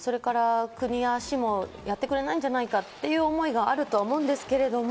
それから、国や市もやってくれないんじゃないかっていう思いがあるとは思うんですけれども。